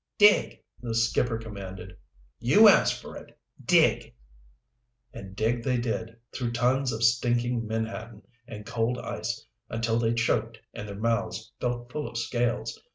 "Dig!" the skipper commanded. "You asked for it. Dig!" And dig they did, through tons of stinking menhaden and cold ice until they choked and their mouths felt full of scales.